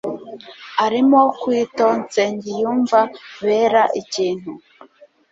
arimo kwitonsengiyumvabera ikintu